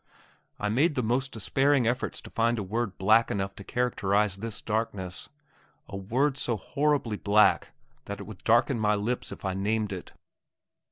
I made the most despairing efforts to find a word black enough to characterize this darkness; a word so horribly black that it would darken my lips if I named it.